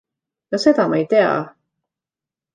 No seda ma ei tea!